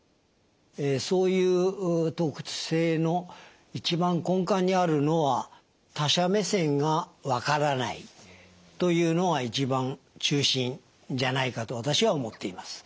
そういう特性の一番根幹にあるのは他者目線がわからないというのが一番中心じゃないかと私は思っています。